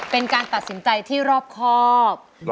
เป็นการตัดสินใจที่ปลอดภัย